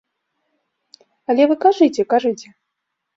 Але вы кажыце, кажыце.